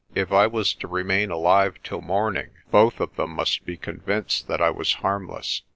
If I was to remain alive till morning, both of them must be convinced that I was harmless.